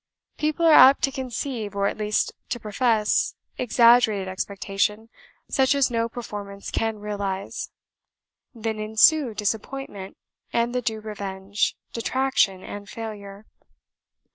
People are apt to conceive, or at least to profess, exaggerated expectation, such as no performance can realise; then ensue disappointment and the due revenge, detraction, and failure.